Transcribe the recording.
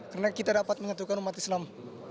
karena kita dapat menyatukan umat islam